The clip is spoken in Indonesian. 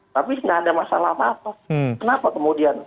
tapi tidak ada masalah apa apa kenapa kemudian